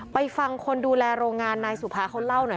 ไปฟังคนดูแลโรงงานนายสุภาเขาเล่าหน่อย